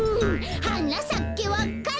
「はなさけわか蘭」